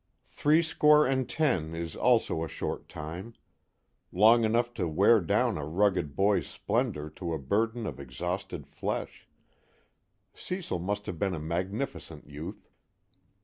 Threescore and ten is also a short time. Long enough to wear down a rugged boy's splendor to a burden of exhausted flesh Cecil must have been a magnificent youth.